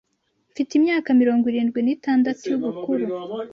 mfite imyaka mirongo irindwi n’itandatu y’ubukuru